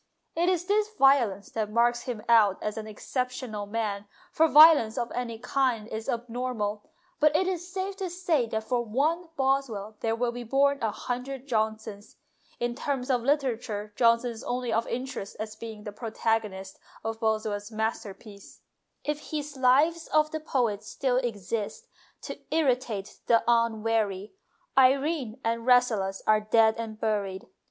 It is this violence that marks him out as an exceptional man, for violence of any kind is abnormal, but it is safe to say that for one Boswell there will be born a hundred Johnsons. In terms of literature Johnson is only of interest as being the protagonist of Boswell's master piece. If his " Lives of the Poets " still exist to irritate the unwary, " Irene " and " Rasselas " are dead and buried.